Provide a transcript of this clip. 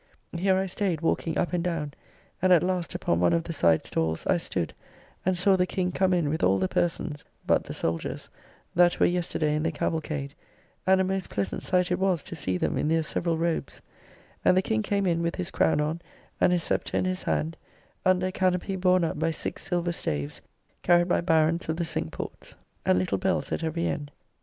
Here I staid walking up and down, and at last upon one of the side stalls I stood and saw the King come in with all the persons (but the soldiers) that were yesterday in the cavalcade; and a most pleasant sight it was to see them in their several robes. And the King came in with his crown on, and his sceptre in his hand, under a canopy borne up by six silver staves, carried by Barons of the Cinque Ports, [Pepys was himself one of the Barons of the Cinque Ports at the Coronation of James II.] and little bells at every end.